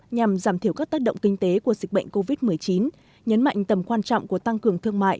nhằm giảm thiểu các tác động kinh tế của dịch bệnh covid một mươi chín nhấn mạnh tầm quan trọng của tăng cường thương mại